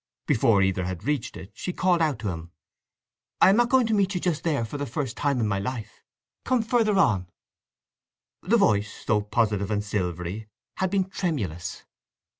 Before either had reached it she called out to him: "I am not going to meet you just there, for the first time in my life! Come further on." The voice, though positive and silvery, had been tremulous.